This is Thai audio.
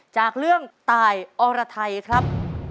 จากเรื่องตายอรไทยครับ